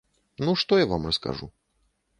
Ну, што я вам раскажу?